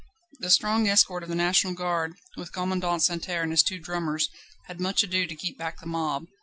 The strong escort of the National Guard, with Commandant Santerre and his two drummers, had much ado to keep back the mob.